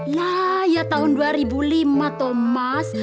ya ya tahun dua ribu lima thomas